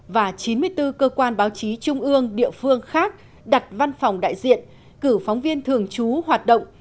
và chín mươi bốn cơ quan báo chí trung ương địa phương khác đặt văn phòng đại diện cử phóng viên thường trú hoạt động